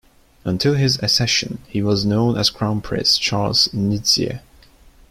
Until his accession, he was known as Crown Prince Charles Ndizeye.